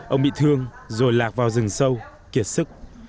ông bị thương rồi lạc vào rừng sâu kiệt sức